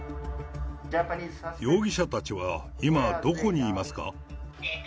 容疑者たちは、今、どこにいますか？